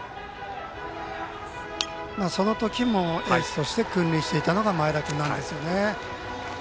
その時もエースとして君臨していたのが前田君なんですよね。